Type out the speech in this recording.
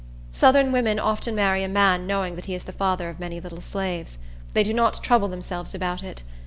Southern women often marry a man knowing that he is the father of many little slaves. They do not trouble themselves about it.